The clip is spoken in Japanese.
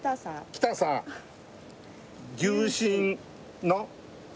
「来たさぁ」「牛信の」